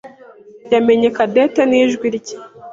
yamenye Cadette nijwi rye.